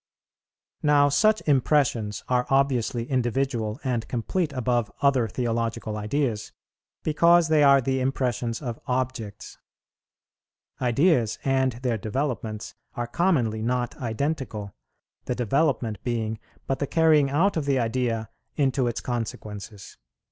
"Now such impressions are obviously individual and complete above other theological ideas, because they are the impressions of Objects. Ideas and their developments are commonly not identical, the development being but the carrying out of the idea into its consequences.